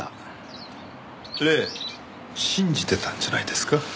霊信じてたんじゃないですか？